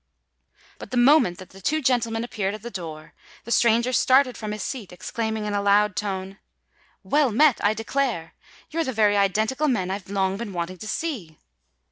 But the moment that the two gentlemen appeared at the door, the stranger started from his seat, exclaiming in a loud tone, "Well met, I declare! You're the very identical men I've long been wanting to see!"